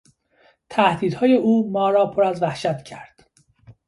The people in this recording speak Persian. تهدیدهای او ما را پر از وحشت کرد.